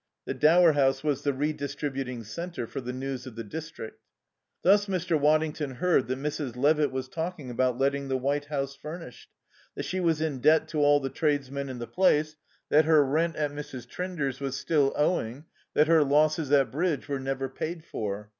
The Dower House was the redistributing centre for the news of the district. Thus Mr. Waddington heard that Mrs. Levitt was talking about letting the White House furnished; that she was in debt to all the tradesmen in the place; that her rent at Mrs. Trinder's was still owing; that her losses at bridge were never paid for.